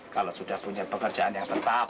kalau sudah punya pekerjaan yang tetap